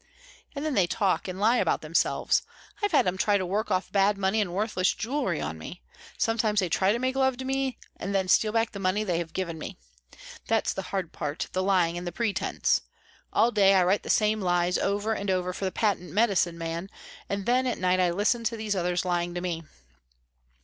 "And then they talk and lie about themselves. I've had them try to work off bad money and worthless jewelry on me. Sometimes they try to make love to me and then steal back the money they have given me. That's the hard part, the lying and the pretence. All day I write the same lies over and over for the patent medicine men and then at night I listen to these others lying to me."